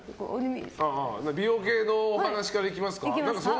美容系のお話からいきますか。